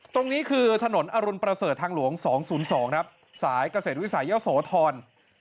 ตรงนี้คือถนนอรุณประเสริฐทางหลวงสองศูนย์สองครับสายเกษตรวิสัยเยาะสวทร